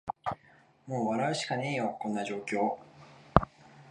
もう笑うしかねーよ、こんな状況